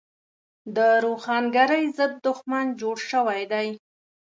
د روښانګرۍ ضد دښمن جوړ شوی دی.